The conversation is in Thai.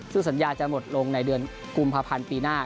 ซึ่งสัญญาจะหมดลงในเดือนกุมภาพันธ์ปีหน้า